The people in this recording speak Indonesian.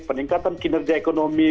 peningkatan kinerja ekonomi